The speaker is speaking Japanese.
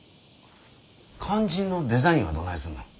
肝心のデザインはどないすんの？